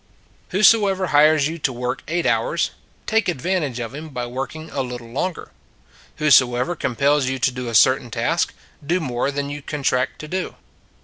Whosoever hires you to work eight hours, take advantage of him by working a little longer: whosoever compels you to do a certain task, do more than you con tract to do.